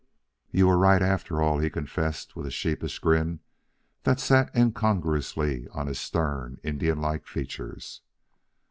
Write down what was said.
"You were right, after all," he confessed, with a sheepish grin that sat incongruously on his stern, Indian like features.